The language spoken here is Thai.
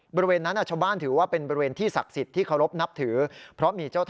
บริเวณนั้นอาชบ้านถือว่าเป็นบริเวณที่ศักดิ์สิทธิ์ที่เคารพนับถือ